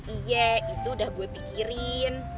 iya itu udah gue pikirin